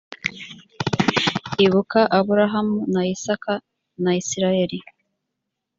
ibuka aburahamu na isaka na isirayeli